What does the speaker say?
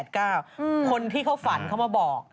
คนที่เขาฝันเขามาบอก